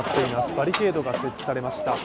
バリケードが設置されました。